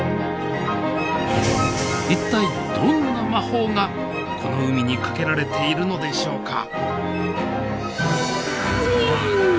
一体どんな魔法がこの海にかけられているのでしょうか？